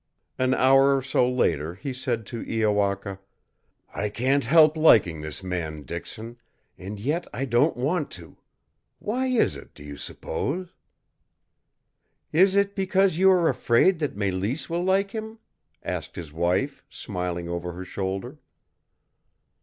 An hour or so later he said to Iowaka: "I can't help liking this man Dixon, and yet I don't want to. Why is it, do you suppose?" "Is it because you are afraid that Mélisse will like him?" asked his wife, smiling over her shoulder.